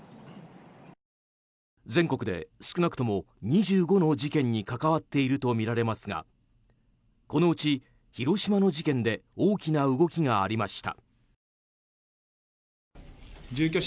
全国で少なくとも２５の事件に関わっているとみられますがこのうち広島の事件で大きな動きがありました。